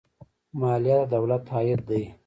مالیه د دولت عاید دی